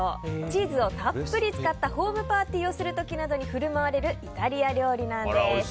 チーズをたっぷり使ったホームパーティーをする時などに振る舞われるイタリア料理なんです。